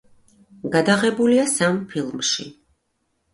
გადაღებულია სამ ფილმში.